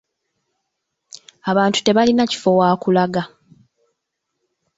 Abantu tebalina kifo wa kulaga.